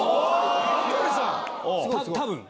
多分！